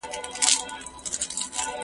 زه به سبا د کور کارونه وکړم!؟